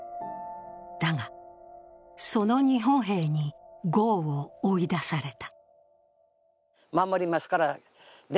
だが、その日本兵にごうを追い出された。